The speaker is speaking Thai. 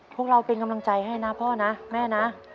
พวกเราเป็นกำลังใจให้นะพ่อนะแม่นะ